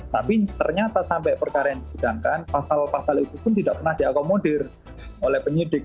tapi ternyata sampai perkara yang disidangkan pasal pasal itu pun tidak pernah diakomodir oleh penyidik